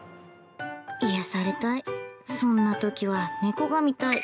癒やされたい、そんなときは猫が見たい。